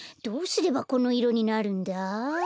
どうすればこのいろになるんだ？